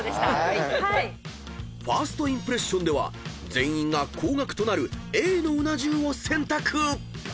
［１ｓｔインプレッションでは全員が高額となるＡのうな重を選択］